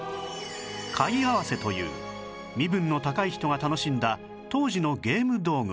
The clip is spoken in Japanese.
「貝合わせ」という身分の高い人が楽しんだ当時のゲーム道具も